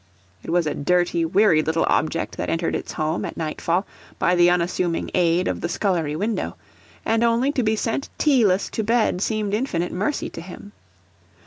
It was a dirty, weary little object that entered its home, at nightfall, by the unassuming aid of the scullery window: and only to be sent tealess to bed seemed infinite mercy to him.